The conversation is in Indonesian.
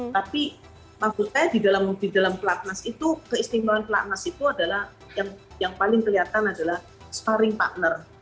tapi maksud saya di dalam pelatnas itu keistimewaan pelatnas itu adalah yang paling kelihatan adalah sparring partner